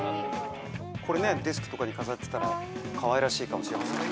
これねデスクとかに飾ってたらかわいらしいかもしれません。